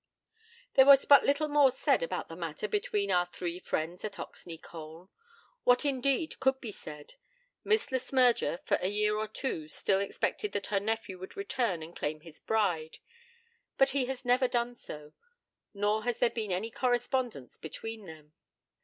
There was but little more said about the matter between our three friends at Oxney Colne. What, indeed, could be said? Miss Le Smyrger for a year or two still expected that her nephew would return and claim his bride; but he has never done so, nor has there been any correspondence between them.